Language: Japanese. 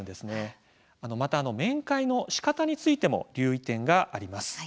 また面会のしかたについても留意点があります。